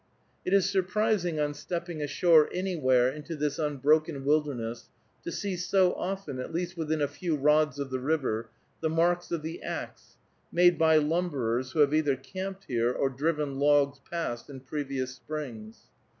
It is surprising on stepping ashore anywhere into this unbroken wilderness to see so often, at least within a few rods of the river, the marks of the axe, made by lumberers who have either camped here or driven logs past in previous springs.